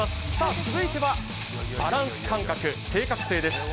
続いてはバランス感覚、正確性です